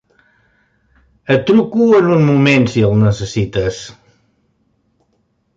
Et truco en un moment, si el necessites.